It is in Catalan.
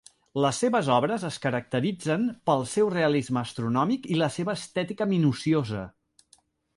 Les seves obres es caracteritzen pel seu realisme astronòmic i la seva estètica minuciosa.